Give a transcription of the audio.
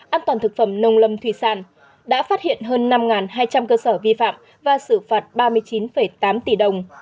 an toàn thực phẩm nông lâm thủy sản đã phát hiện hơn năm hai trăm linh cơ sở vi phạm và xử phạt ba mươi chín tám tỷ đồng